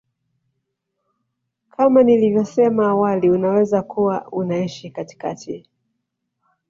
kama nilivyosema awali unaweza kuwa unaishi katikati